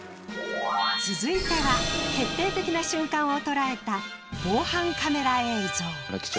続いては決定的な瞬間を捉えた防犯カメラ映像。